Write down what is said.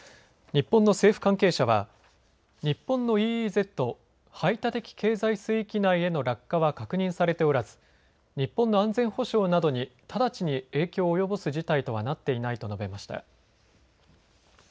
日本の政府関係者は日本のＥＥＺ・排他的経済水域内への落下は確認されておらず日本の安全保障などに直ちに影響を及ぼす事態とはなっていないと述べました。